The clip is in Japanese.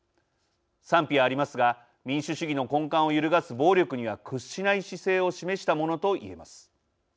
賛否はありますが民主主義の根幹を揺るがす暴力には屈しない姿勢を示したものと言えます。